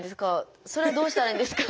それはどうしたらいいんですか？